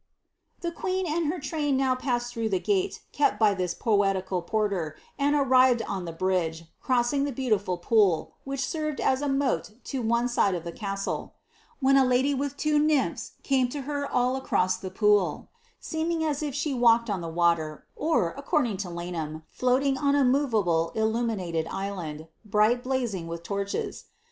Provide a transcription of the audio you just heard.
The queen and her train now passed through the gate kept by this poetical porter, and arrived on the bridge, crossing the beautifid pool, vhich served as a moat to one side of the castle ; when a lady with two nymphs came to her all across the pool, seeming as if she walked OB the water, or, according to Laneham, floating on a movable illumi Hled island, bright blazing with torches.